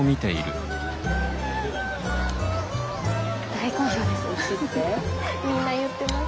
大好評です。